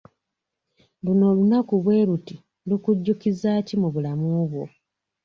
Luno olunaku bwe luti lukujjukiza ki mu bulamu bwo?